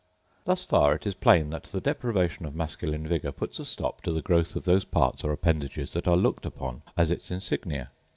Thus far it is plain that the deprivation of masculine vigour puts a stop to the growth of those parts or appendages that are looked upon as its insignia.